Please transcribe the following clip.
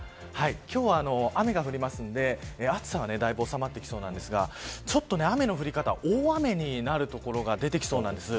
今日は雨が降りますんで暑さは、だいぶ収まってきそうなんですがちょっと雨の降り方、大雨になる所がでてきそうなんです。